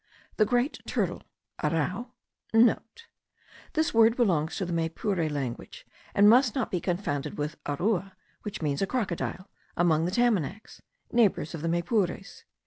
The great turtle (arrau* (* This word belongs to the Maypure language, and must not be confounded with arua, which means a crocodile, among the Tamanacs, neighbours of the Maypures.